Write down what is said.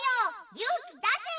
ゆうきだせ！